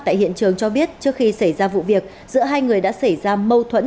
tại hiện trường cho biết trước khi xảy ra vụ việc giữa hai người đã xảy ra mâu thuẫn